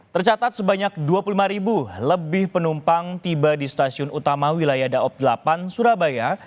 tercatat sebanyak dua puluh lima ribu lebih penumpang tiba di stasiun utama wilayah daob delapan surabaya